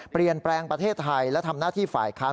เปลี่ยนแปลงประเทศไทยและทำหน้าที่ฝ่ายค้าน